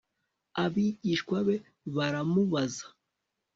abigishwa be baramubaza